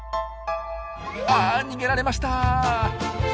あ逃げられました。